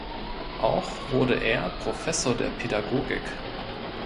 Auch wurde er Professor der Pädagogik.